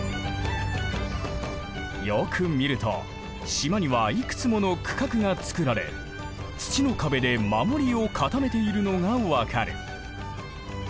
よく見ると島にはいくつもの区画がつくられ土の壁で守りを固めているのが分かる。